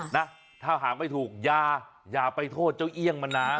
นะถ้าหากไม่ถูกอย่าไปโทษเจ้าเอี่ยงมันนะ